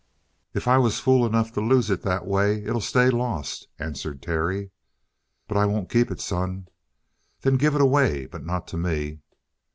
"If I was fool enough to lose it that way, it'll stay lost," answered Terry. "But I won't keep it, son." "Then give it away. But not to me."